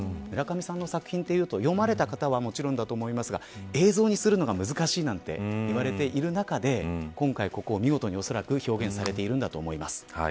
村上さんの作品というと読まれた方はもちろんですが映像にするのが難しいと言われている中で今回ここを見事に表現されているんだと思います。